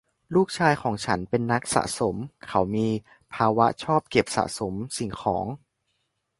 ลูกชายของฉันเป็นนักสะสม : เขามีภาวะชอบเก็บสะสมสิ่งของ